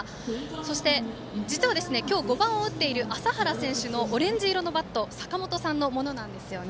そして、今日５番を打っている麻原選手のオレンジ色のバットはさかもとさんのものなんですよね。